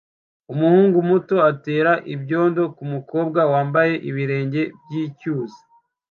Umuhungu muto atera ibyondo kumukobwa wambaye ibirenge byicyuzi